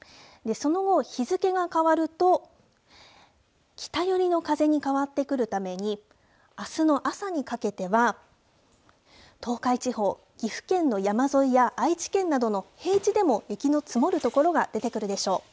その後、日付が変わると、北寄りの風に変わってくるために、あすの朝にかけては、東海地方、岐阜県の山沿いや、愛知県などの平地でも雪の積もる所が出てくるでしょう。